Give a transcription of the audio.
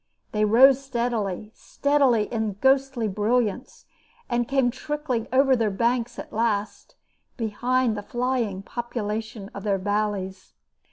They rose steadily, steadily in the ghostly brilliance, and came trickling over their banks at last, behind the flying population of their valleys.